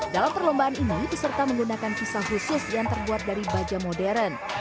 dalam perlombaan ini peserta menggunakan kisah khusus yang terbuat dari baja modern